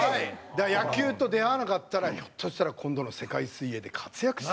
野球と出会わなかったらひょっとしたら今度の世界水泳で活躍してたかもしれん。